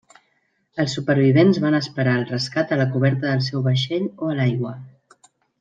Els supervivents van esperar el rescat a la coberta del seu vaixell o a l'aigua.